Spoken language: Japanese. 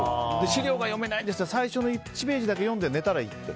資料が読めないですって言ったら最初の１ページだけ読んで寝たらいいって。